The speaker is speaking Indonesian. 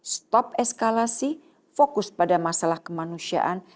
stop eskalasi fokus pada masalah kemanusiaan